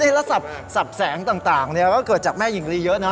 นี่แล้วสับแสงต่างเนี่ยก็เกิดจากแม่หญิงลีเยอะนะฮะ